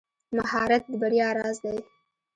مهارت د بریا راز دی.